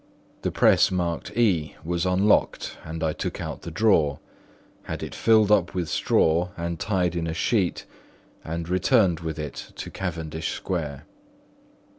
The press marked E was unlocked; and I took out the drawer, had it filled up with straw and tied in a sheet, and returned with it to Cavendish Square.